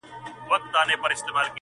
o له بارانه ولاړی، ناوې ته کښېنستی.